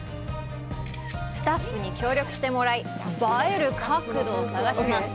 スタッフに協力してもらい映える角度を探します。